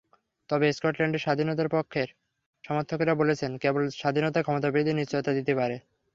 তবে স্কটল্যান্ডের স্বাধীনতার পক্ষের সমর্থকেরা বলছেন, কেবল স্বাধীনতাই ক্ষমতাবৃদ্ধির নিশ্চয়তা দিতে পারে।